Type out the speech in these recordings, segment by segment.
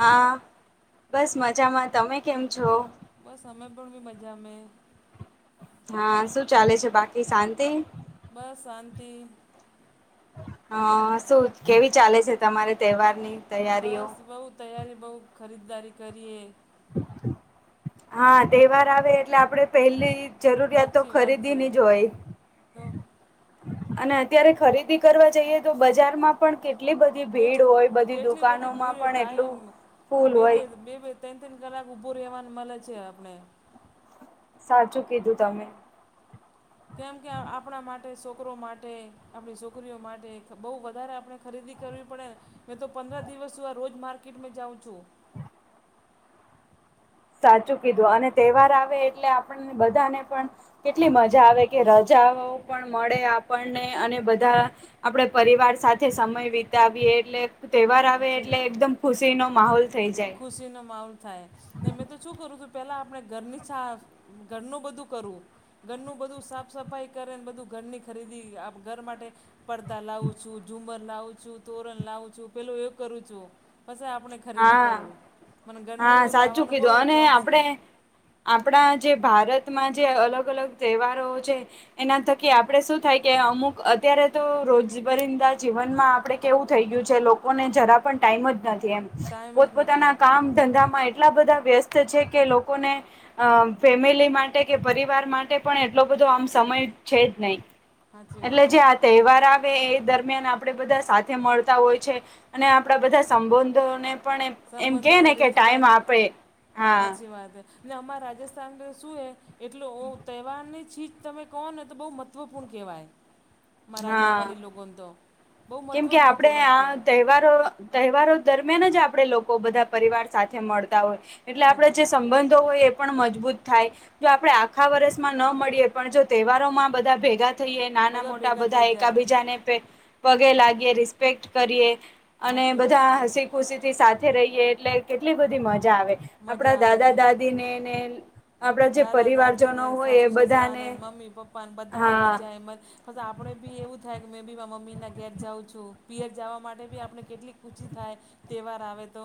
હા બસ મજામાં તમે કેમ છો બસ અમે પણ બી મજા મે હા શું ચાલે છે બાકી શાંતિ બસ શાંતિ હ શું કેવી ચાલે છે તમારે તહેવારની તૈયારીઓ બસ બઉ તૈયારી બઉુ ખરીદારી કરીએ હા તહેવાર આવે એટલે આપડે પહેલી જરૂરિયાતો સાચી વાત છે ખરીદીની જ તો હોય. અત્યારે ખરીદી કરવા જઈએ તો બજાર માં કેટલી બધી કેટ ભીડ હોય બધી કેટલી બધી દુકાનોમાં ભીડ પણ એટલું ટાઈમ ફૂલ બે બે હોય બેભે તેન તેન કલાક ઊભો રહેવાનું મળે છે આપણે સાચું કીધું તમે કેમ કે આપણા માટે છોકરો માટે આપણી છોકરીઓ માટે બહુ વધારે આપણે ખરીદી કરવી પડે મેં તો પંદર દિવસ સુ આ રોજ માર્કેટમાં જાઉં છું. સાચું કીધું અને તહેવાર આવે એટલે આપણ બધાને પણ કેટલી મજા આવે કે રજાઓ પણ મળે આપણને અને હા બધા આપડે પરિવાર સાથે સમય વિતાવીએ એટલે તહેવાર આવે સાચી એટલે વાત એકદમ ખુશીનો માહોલ થઈ જાય ખુશીનો માહોલ થાય મેં તો શું કરું તું પેલા આપણે ઘરની છ ઘરનું બધું કરું ઘરનું બધું સાફ સફાઈ કરેને બધું ઘરની ખરીદી ઘર માટે પડદા લાવું છું, ઝુંમર લાવું છું, તોરણ લાવું છું, પેલું એવું કરું છું. પછી આપણે ખરીદી હા કરું, મને ઘરનું હા સાચું લાવવાનો બહુ કીધું અને ચોક છે. આપણે આપણા જે ભારતમાં જે અલગ અલગ તહેવારો છે. એના થકી આપણેે શું થાય કે અમુક અત્યારે તો રોજબરિન્દા જીવનમાં આપણે કેવું થઈ ગયું છે લોકોને જરા પણ ટાઈમ જ નથી એમ ટાઈમ જ નથી પોતપોતાના કામ ધંધામાં એટલા બધા વ્યસ્ત છે કે લોકોને અ ફેમિલી માટે કે પરિવાર માટે પણ એટલો બધો આમ સમય છે જ નહી સાચી એટલે વાત જે હે આ તહેવાર આ વે એ દરમિયાન આપણેે બધા સાથે મળતા હોય છે, અને આપણા બધા સંબંધોને પણ એમ કે સંબંધો ને કે ટાઈમ રિશ્તેદારની આપે, હા સાચી ને અમારા રાજસ્થાન તો શું હે એટલે તહેવારની છી તમે કહોને તો બહુ મહત્ત્વપૂર્ણ કહેવાય મારા હા રાજસ્થાની લોકોને તો બહુ કેમ કે મહત્ત્વપૂર્ણ તહેવાર આ કહેવાય તહેવાર તહેવારો દરમિયાન જ આપડે લોકો બધા પરિવાર સાથે મળતા હોય એટલે આપણેે હાચુ જે સંબંધો હોય એ પણ મજબૂત થાય, જો આપણે આખા વર્ષમાં ન મળીએ પણ જો તહેવારોમાં બધા ભેગા થઈએ નાના બધા મોટા ભેગા થઈ બધા જાય એકાબીજાનેે પગે લાગીએ, રિસ્પેક્ટ કરીએ, અને સાચી વાત બધા હે હસી ખુશીથી સાથે રહીએ, એટલે કેટલી બધી મજા આવે, આપણા મજા આવે દાદા છે દાદીને ને આપણા જે દાદા પરિવારજનો હોય એ બધાને પણ બધા આવી હા જાયસ આપણે બી એવું થાય કે મેં બી મમ્મીના ઘેર જાઉં છું પિયજ જવા માટે બી આપણે કેટલીક ખુશી થાય, તહેવાર આવે તો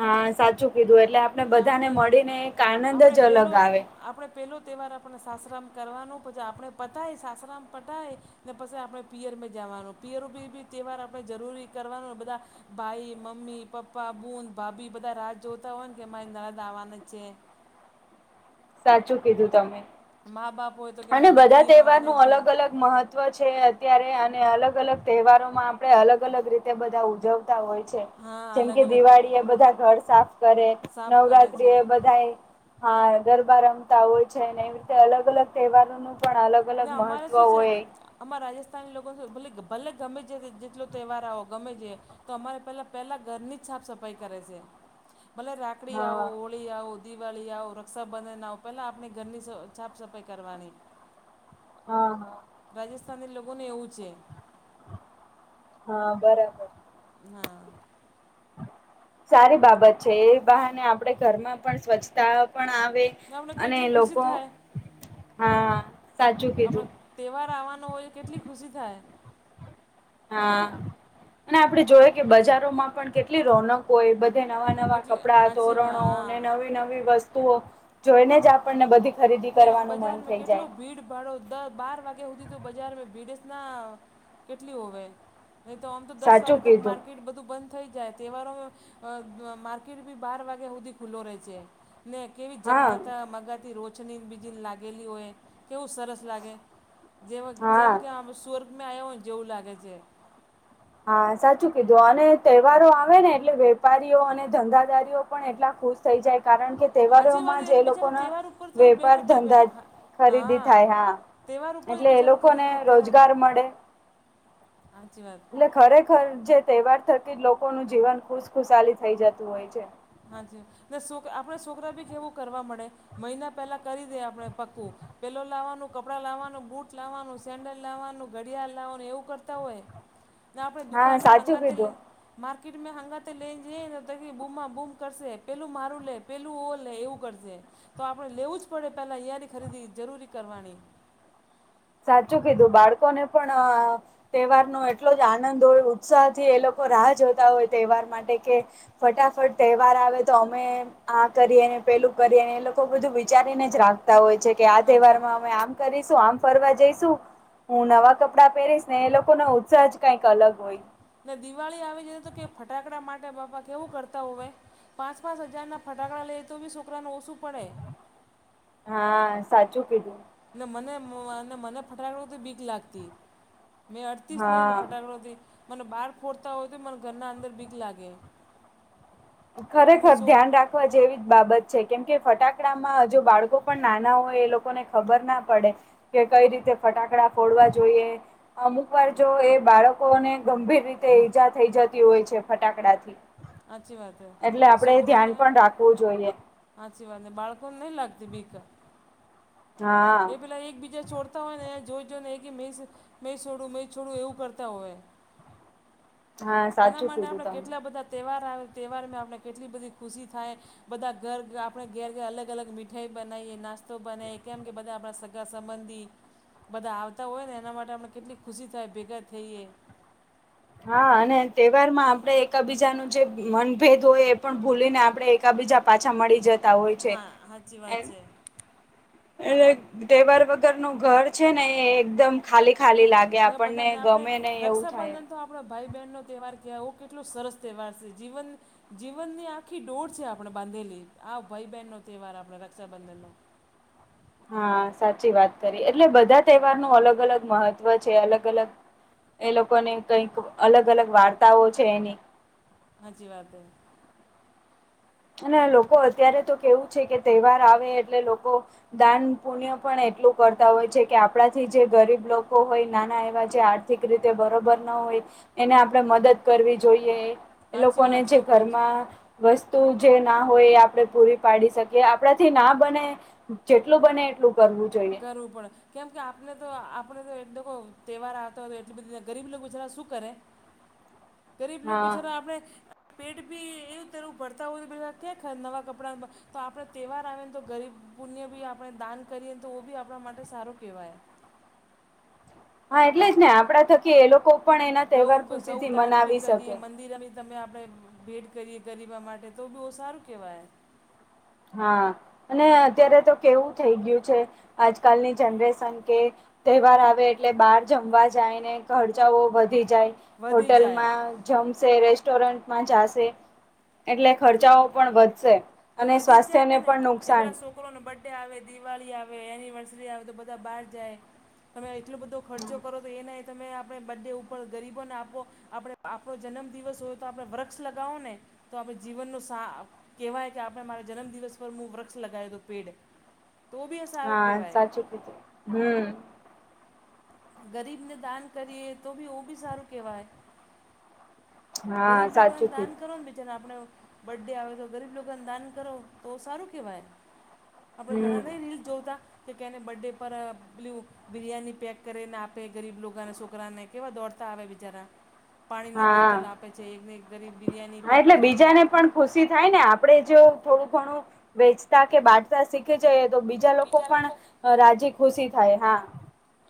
હા, સાચું કીધું, એટલે આપણે બધાને મળીને એક આનંદ આપણે જ પેલો અલગ આવે આપણે પહેલો તહેવાર આપણને સાસરામ કરવાનો, પછી આપણે પતાય સાસરામ પટાય... પછી આપણે પિયરમાં જવાનું, પિયર બી બી તહેવાર આપણે જરૂરી કરવાનું બધા... ભાઈ, મમ્મી, પપ્પા, બૂદ, ભાભી બધા રાહ જોતા હોય ને કે એ માંરી નરદ આવવાની છે. સાચું કીધું તમે. મા બાપ હોય તો કે અને મારી બધા દીકરી આવવાને તહેવારનું છે. અલગ અલગ મહત્વ છે અત્યારે અને અલગ અલગ તહેવારોમાં આપણે અલગ અલગ રીતે બધા ઉજવ... હોય છે. હા જેમ અલગ કે અલગ દિવાળી તહેવાર એ બધા ઘર સાફ કરે, સાફ કરે નવરાત્રી છે એ બધા... હા, ગરબા રમતા હોય છે, ને એવી રીતે અલગ અલગ તહેવારોને પણ અલગ... અલગ ને અમારે મહત્વ શું છે. હોય અમારા રાજસ્થાની લોકો શ ભલે ભલે ગમે છે, જેટલો તહેવાર આવો ગમે છે. તો અમારે પેલા પહેલા ઘરની જ સાફ સફાઈ કરે છે, ભલે રાખડી આવો... હા હોળી આવો, દિવાળી આવો, રક્ષાબંધન આવો, પેલા આપણે ઘરની સાફ સફાઈ કરવાની. હમ. રાજસ્થાની લોકોને એવું છે. હા, બરાબર. હા. સારી બાબત છે, એ બહાને આપડે ઘરમાં પણ સ્વચ્છતા પણ આવે. ને આપણે અને કેટલી ખુશી લોકો, થાય હા સાચું આપણે કીધું. તહેવાર આવવાનો હોય, કેટલી ખુશી થાય. હા, અને આપડે જોય કે બજારોમાં પણ કેટલી રોનક હોય. નવા નવા કેટલી કપડા સાચી વાત તોરણો હા ને નવી નવી વસ્તુઓ જોઈને જ આપણને બધી... ખરીદી ને કરવાનું મન બજારમાં થઈ કેટલો જાય ભીડ... ભાડો દ બાર વાગ્યા સુધી તું બજાર ભીડસ ના કેટલી હોવે. નહી તો આમ તો દસ વાગે સાચું તક કીધું માર્કેટ બધું બંધ... થઈ જાય, તહેવારોમાં માર્કેટ બી બાર વાગ્યા હુદી ખુલ્લો રહે છે. ને કેવી હા જગમતા મગાતી રોજ... બી લાગેલી હોય, કેવું સરસ લાગે, જેમ હા કે સુ મેં આવ્યો હોય જેવું લાગે છે. હા, સાચું કીધું અને તહેવારો આવે ને એટલે વેપારીઓ ધંધાદારીઓ પણ એટલા ખુશ... થઈ જાય, કારણ કે... હાચી વાત તેહવારોમાં જે એ બિચારા લોકોના તહેવાર ઉપર તો વેપાર, બેઠે બે ધંધા ખરીદી હા થાય. હા તહેવાર ઉપર જ એટલે એ બિચારો લોકોને ખરીદી કરે ને રોજગાર મડે હાચી વાત એટલે ખરેખર જે તહેવાર થતી જ લોકોનું જીવન ખુશ-ખુશાલીત થઇ જતું હોય છે. હા જ ને છોક આપણે છોકરા બી કેવું કરવા મડે મહિના પેલા કરી દે આપણે પક્કું પેલો લાવાનું, કપડાં લાવાનું, બુટ લાવાનું, સેન્ડલ લાવાનું, ઘડિયાળ લાવાનું એવું કરતા હોય હા ને આપડે દુકાન સાચું હંગાતે લે કીધું મારકીટમેં હંગાતે લેજ જઇએને તો બી બુમા બ કરશે પેલું મારું લે, પેલું ઓ લે, એવું કરશે. તો આપણે લેવું જ પડે પેલા અહીંયાની ખરીદી જરૂરી કરવાની સાચું કીધું બાળકોને પણ તેહવારનો એટલો જ આનંદ હોય ઉત્સાહથી એ લોકો રાહ જોતા હોય તહેવાર માટે કે ફટાફટ તહેવાર આવે તો અમે આ કરીએ ને પેલું કરીએને એ લોકો બધું વિચારીને જ રાખતા હોય છે. કે આ હા છે તહેવારમાં અમે આમ કરીશું આમ ફરવા જઈશુ હું નવા કપડાં પેરીશ ને એ લોકોનો ઉત્સાહ જ કઈક અલગ હોય. ને દિવાળી આવી જાએ તો કે ફટાકડા માટે બાપા કેવું કરતા હોવે પાસ-પાસ હજારના ફટાકડા લઈએ તો બી છોકરાને ઓસુ પડે. હા સાચું કીધું ન મને મને મને ફટાકડું તી બીક લાગતી મેં અડતીસ નહી ને હા ફટાકડોથી મન બાર ફોડતા હોય તો મને ઘરના અંદર બીક લાગે. લેકિન ખરેખર સો ધ્યાન રાખ ખવા જેવી જ બાબત છે કેમ કે ફટાકડામાં હ જો બાળકો પણ નાના હોય એ લોકોને ખબર ના પડે કે કઈ રીતે ફટાકડા ફોડવા જોઈએ. અમુક વાર જો એ બાળકોને ગંભીર રીતે ઈજા થઈ જતી હોય છે ફટાકડાથી હાચી વાત એટલે આપડે ધ્યાન પણ રાખવું જોઈએ. હાચી વાત ને બાળકોન નહી લાગતી બીકા હા એ પેલા એકબીજા છોડ તા હોય ને જોઈ જોને મે મેં સોડું મેં છોડું એવું કરતા હોય હા એના સાચું માટે કીધું આપણે કેટલા તમે બધા તહેવાર આવે તહેવારમાં આપણે કેટલી બધી ખુશી થાય બધા ઘર આપણે ઘેર ઘેર અલગ-અલગ મીઠાઈ બનાઇએ, નાસ્તો બનાયે કેમકે બધા આપડા સ ગા સમન્ધી બધા આવતા હોયને એના માટે આપણે કેટલી ખુશી થાય ભેગા થઈએ હા અને તેહવારમાં આપડે એકાબીજાનું જે મનભેદ હોય એ પણ ભૂલીને આપડે કા બીજા પાછા મડી જતા હોય છે હા સાચી એ વાત છે એટલે તેહવાર વગર નું ઘર છેને એ એકદમ ને ખાલી-ખાલી લાગે ને આપણને બધાને આપણે ગમે નઈ એવું થાય. રક્ષાબંધન તો આપડો ભાઈ-બહેનનો તહેવાર કેવુ કેટલો સરસ તહેવાર સે જીવન જીવનની આખી ડોર છે આપણે બાંધેલી આ ભાઈ- બેનનો તહેવાર આપડે રક્ષાબંધનનો હા સાચી વાત કરી એટલે બધા તહેવારનું અલગ- અલગ મહત્વ છે અલગ-અલગ એ લોકોને કઈક અલગ અલગ વાર્તાઓ છે એની હાચી વાત હે અને લોકો અત્યારે તો કેવું છે કે તહેવાર આવે એટલે લોકો દાન-પુણ્ય પણ એટલું કરતા હોય છે કે આપણાથી જે ગરીબ લોકો હોય નાના એવા જે આર્થિક રીતે બરોબર ના હોય એને આપડે મદદ કરવી જોઈએ. એ સાચી લોકોને વાત જે ચોક્કસ ઘરમાં વસ્ત તું જે ના હોય એ આપડે પૂરી પાડી શકીએ આપણાથી જે ના બને જેટલું બને એટલું કરવું જોઈએ. કરવું પડે કેમ કે આપને તો આપણે તો એ લોકો તહેવાર આવતા હોય તો એટલી બધી ગરીબ લોકો બિચારા શું કરે ગરીબ લોકો હા બિચારા આપડણે પેટ ભી એવું તરું ભરતા હોય એ ક્યાં નવા કપડાં તો આપણે તહેવાર આવે ને તો ગરીબ પુણ્ય બી આપણે દાન કરીએ તો બી આપણા માટે સારો કહેવાય હા એટલે જ ને આપડા થકી એ લોકો પણ એના ગૌ તહેવાર ખુશીથી ગૌદાન ભી મનાવી શકે કરીએ મંદિર એ મી તમે આપણે ભેટ કરીએ ગરીબા માટે તો બહુ સારું કહેવાય હા અને અત્યારે તો કેવું થઈ ગયું છે આજકાલની જનરેશન કે તહેવાર આવે એટલે બહાર જમવા જાય ને ખર્ચાઓ વધી જાય વધી જાય હોટેલમાં જમશે રેસ્ટોરન્ટમાં જાશે એટલે ખર્ચાઓ પણ વધશે અને સ્વાસ્થ્યને પણ નુકસાન લો બર્ડે આવે દિવાળી આવે એનિવર્સરી આવે તો બધા બહાર જાય તમે એટલો બધો ખર્ચો કરો તો એના તમે આપણે બંને ઉપર ગરીબોને આપો આપડ આપણો જન્મ દિવસ હોય તો આપણે વૃક્ષ લગાવો ને તો આપણે જીવનનો સા કેવાય આપણે મારા જન્મ દિવસ પર હું વૃક્ષ લગાય તો પેડ તો બી એ સારું હાએક કહેવાય સાચું કીધું હમ ગરીબને દાન કરીએ તો ભી ઓું બી સારું કહેવાય હા ગરીબ લોકોને સાચું દાન કરો ને બીજા ને આપડ બર્ડે આવે તો ગરીબ લોકોને દાન કરો તો સારું કહેવાય આપણે કીધું ઘણા ન હમ રીલ્સ જોતા કે કે એને બર્થડે પર બલું બિરયાની પેક કરીને આપે ગરીબ લોકોને છોકરાને કેવા દોડતા આવે બિચારા પાણીની હા બોટલ આપે છે એકને એક ગરીબ બિરિયાની હા પેક એટલે કરેલી બીજાને આપે પણ ખુશી થાય ને આપડણે જો થોડું ઘણું વેચતા કે શીખે જઈ તો બીજા લોકો પણ રાજી ખુશી થાય હા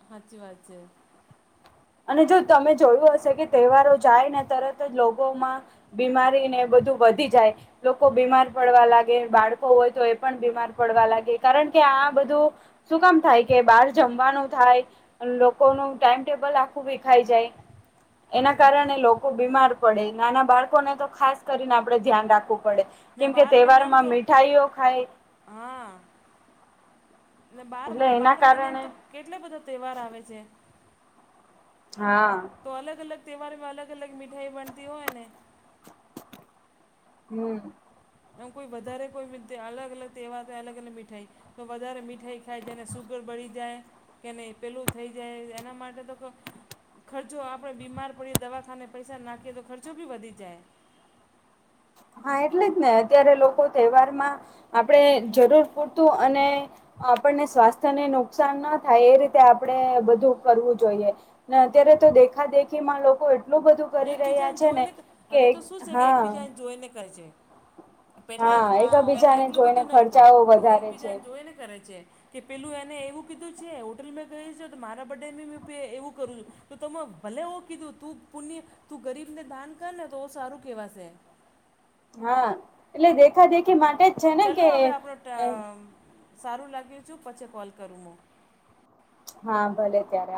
સાચી વાત છે અને જો તમે જોયું હશે કે તહેવારો જાય ને તરત જ લોકોમાં બીમારી ને એ બધું વધી જાય લોકો બીમાર પડવા લાગે બાળકો હોય તો એ પણ બીમાર પડવા લાગે કારણ કે આ બધું શું કામ થાય? કે બહાર જમવાનું થાય લોકોનું ટાઈમ ટેબલ આખું દેખાઈ જાય એના સાચી વાત કારણે બીમાર પડે નાના બાળકોને તો ખાસ કરીને આપડે ધ્યાન રાખવું પડે. ને કેમ કે બાર મહિનામાં તહેવારોમાં તો મીઠાઈઓ ખાય, હા અને બાર એટલે એના બાર મહિનેમાં કારણે તો કેટલા બધા તહેવાર આવે છે. હા તો અલગ અલગ તહેવારમાં અલગ અલગ મીઠાઈ બનતી હોય ને હમ એમ કોઈ વધારે કોઈ અલગ અલગ તહેવાર અલગ અલગ મીઠાઈ તો વધારે મીઠાઈ ખાય જેને સુગર બળી જાય, કે નહીં પેલું થઈ જાય એના માટે તો કવ ખર્ચો આપણે બીમાર પડીએ દવાખાને પૈસા નાખીએ તો ખર્ચો બી વધી જાય. હા, એટલે જ ને અત્યારે લોકો તહેવાર માં આપણેે જરૂર પૂરતું અને આપણને સ્વાસ્થ્યને નુકસાન ના થાય એ રીતે આપણે બધું કરવું જોઈએ. ને અત્યારે તો દેખા દેખીમાં લોકો એટલું બધું કરી રહ્યા એકબીજાને છે ને જોઈને કે હવે તો શું છે કે હા એકબીજા એને કહે છે. પેલા હા પેલા એકબીજાને એટલું જોઈને બધું નહિ તો ખર્ચાઓ અવે તો વધારે છે એકબીજાને જોય ને કરે છે. કે પેલું એને એવું કીધું છે હોટલ મેં કઈ છે તો મારા બર્ડે બહું એવું કરું છું. તો તમે ભલે ઓ કીધું તું પુણ્ય તું ગરીબને દાન કર ને તો સારું કેહેવાશે. હા એટલે દેખા દેખી માટે જ છે ને ચલો કે હવે આપણો ત એ સારું લાગ્યું છું પછી કોલ કરું મ. હા ભલે ત્યારે